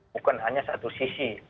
bukan hanya satu sisi